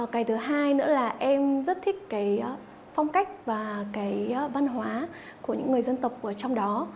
cái thứ hai nữa là em rất thích cái phong cách và cái văn hóa của những người dân tộc trong đó